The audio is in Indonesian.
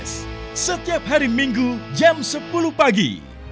lima s setiap hari minggu jam sepuluh pagi